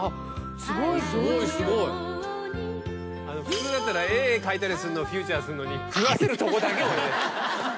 普通なら絵描いたりするのをフィーチャーするのに食わせるとこだけをね。